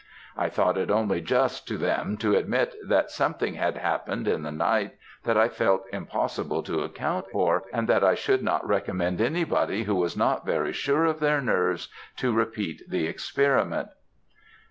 I thought it only just to them to admit that something had happened in the night that I felt impossible to account for, and that I should not recommend any body who was not very sure of their nerves to repeat the experiment."